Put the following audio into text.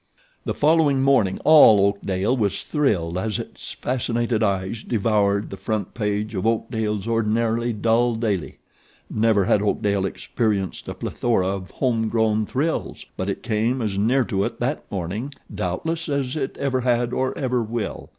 The following morning all Oakdale was thrilled as its fascinated eyes devoured the front page of Oakdale's ordinarily dull daily. Never had Oakdale experienced a plethora of home grown thrills; but it came as near to it that morning, doubtless, as it ever had or ever will.